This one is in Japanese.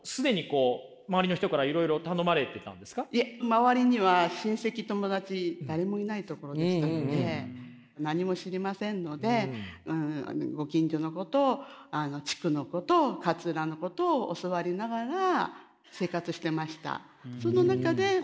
周りには親戚友達誰もいないところでしたので何も知りませんのでご近所のことを地区のことを勝浦のことを教わりながら生活してました。